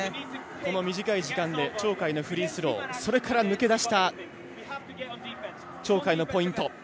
この短い時間で鳥海のフリースローそれから抜け出した鳥海のポイント。